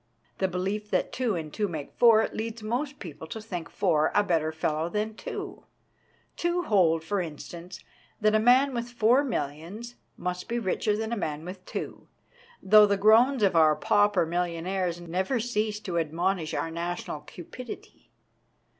The belief that two and two make four leads most people to think four a better fellow than two ; to hold, for instance, that a man with four millions must be richer than a man with two, though the groans of our pauper millionaires never cease to admonish our national cupidity.